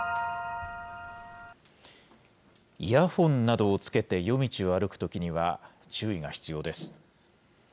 イヤホンなどをつけて夜道を歩くときには、注意が必要です。